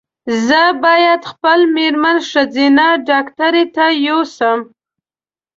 زه باید خپل مېرمن ښځېنه ډاکټري ته یو سم